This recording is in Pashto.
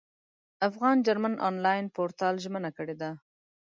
افغان جرمن انلاین پورتال ژمنه کړې ده.